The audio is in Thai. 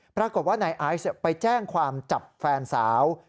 ปรากฏว่านายไอซ์ไปแจ้งความจับแฟนสาว